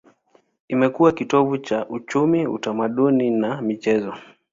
Imekuwa kitovu cha uchumi, utamaduni na michezo.